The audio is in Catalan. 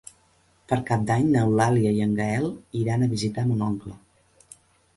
Per Cap d'Any n'Eulàlia i en Gaël iran a visitar mon oncle.